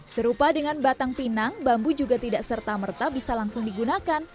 serupa dengan batang pinang bambu juga tidak serta merta bisa langsung digunakan